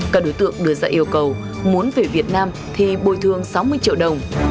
các đối tượng đưa ra yêu cầu muốn về việt nam thì bồi thương sáu mươi triệu đồng